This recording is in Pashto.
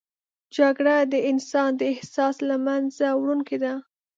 جګړه د انسان د احساس له منځه وړونکې ده